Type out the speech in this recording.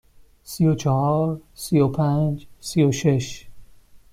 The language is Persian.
سی و چهار، سی و پنج، سی و شش.